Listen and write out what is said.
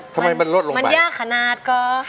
ทำไมมันลดลงมามันยากขนาดก็